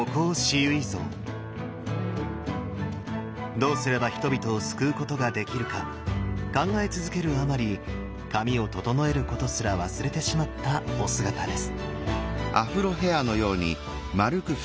どうすれば人々を救うことができるか考え続けるあまり髪を整えることすら忘れてしまったお姿です。